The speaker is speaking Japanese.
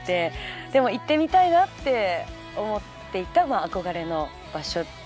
でも行ってみたいなって思っていた憧れの場所。